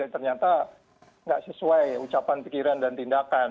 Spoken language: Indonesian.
ternyata tidak sesuai ucapan pikiran dan tindakan